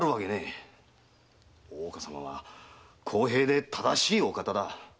大岡様は公平で正しいお方だ！